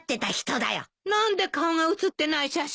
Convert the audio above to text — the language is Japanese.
何で顔が写ってない写真を。